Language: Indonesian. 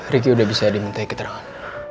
riki udah bisa diminta keterangan